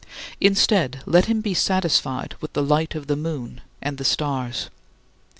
Instead, let him be satisfied with the light of the moon and the stars.